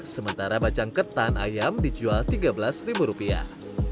sementara bacang ketan ayam dijual tiga belas rupiah